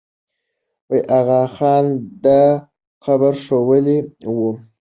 آغا خان دا قبر ښوولی وو.